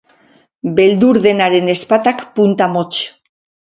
Beldur denaren ezpatak punta motz.